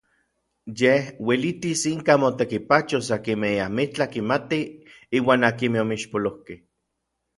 Yej uelitis inka motekipachos akinmej amitlaj kimatij iuan akinmej omixpolojkej.